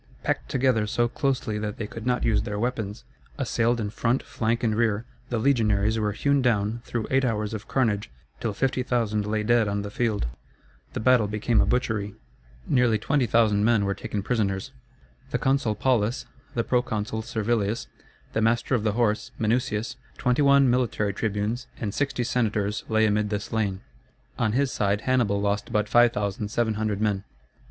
Packed together so closely that they could not use their weapons, assailed in front, flank, and rear, the legionaries were hewn down through eight hours of carnage, till 50,000 lay dead on the field. The battle became a butchery. Nearly 20,000 men were taken prisoners. The consul Paulus, the proconsul Servilius, the master of the horse Minucius, 21 military tribunes, and 60 senators lay amid the slain. On his side Hannibal lost but 5,700 men.